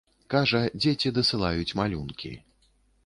Кажа, дзеці дасылаюць малюнкі.